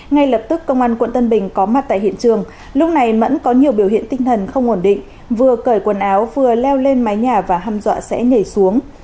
ngay lập tức công an quận tân bình có mặt tại hiện trường lúc này mẫn có nhiều biểu hiện tinh thần không ổn định vừa cởi quần áo vừa leo lên mái nhà và hâm dọa sẽ nhảy xuống